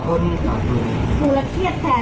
ของเราไม่เข้าไปหยอดนะ